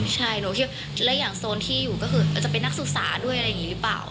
ใช่หนูคิดว่าและอย่างโซนที่อยู่ก็คืออาจจะเป็นนักศึกษาด้วยอะไรอย่างนี้หรือเปล่า